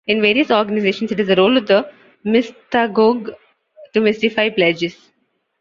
In various organizations, it is the role of the mystagogue to "mystify" pledges.